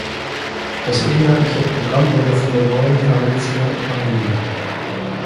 Das inhaltliche Programm wurde von der Neuen Carinthia übernommen.